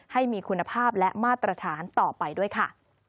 ให้มีคุณภาพและมาตรฐานต่อไปด้วยค่ะ